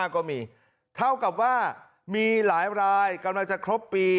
ก็มีเท่ากับว่ามีหลายรายกำลังจะครบปี